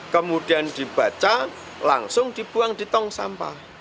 kemudian dibaca langsung dibuang di tong sampah